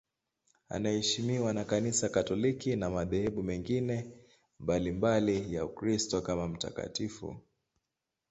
Anaheshimiwa na Kanisa Katoliki na madhehebu mengine mbalimbali ya Ukristo kama mtakatifu.